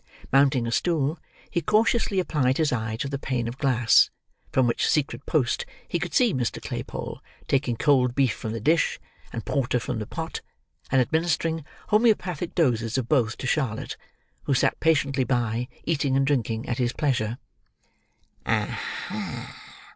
Mounting a stool, he cautiously applied his eye to the pane of glass, from which secret post he could see Mr. Claypole taking cold beef from the dish, and porter from the pot, and administering homeopathic doses of both to Charlotte, who sat patiently by, eating and drinking at his pleasure. "Aha!"